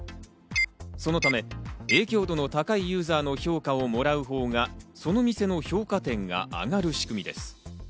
そのため影響度の高いユーザーの評価をもらうほうがその店の評価点が上がる仕組みです。